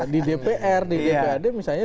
di dpr di dprd misalnya